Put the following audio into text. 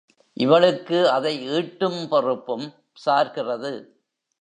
இவளுக்கு அதை ஈட்டும் பொறுப்பும் சார்கிறது.